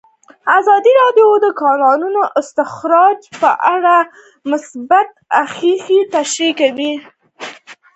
ازادي راډیو د د کانونو استخراج په اړه مثبت اغېزې تشریح کړي.